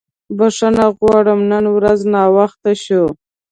بښنه غواړم نن ورځ ناوخته شو.